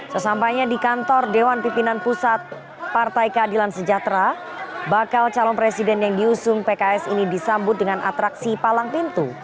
sesampainya di kantor dewan pimpinan pusat partai keadilan sejahtera bakal calon presiden yang diusung pks ini disambut dengan atraksi palang pintu